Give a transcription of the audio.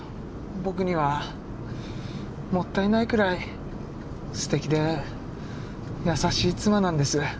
僕にはもったいないくらいすてきで優しい妻なんです。